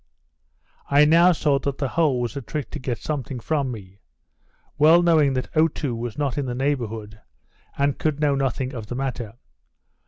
I now saw that the whole was a trick to get something from me; well knowing that Otoo was not in the neighbourhood, and could know nothing of the matter.